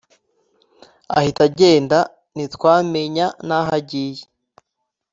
ahita agenda ntitwamenya n’aho yagiye